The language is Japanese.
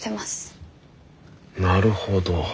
なるほど。